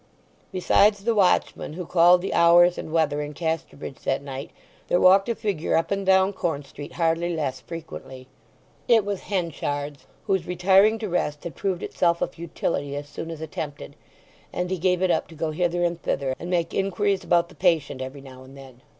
Besides the watchman who called the hours and weather in Casterbridge that night there walked a figure up and down Corn Street hardly less frequently. It was Henchard's, whose retiring to rest had proved itself a futility as soon as attempted; and he gave it up to go hither and thither, and make inquiries about the patient every now and then.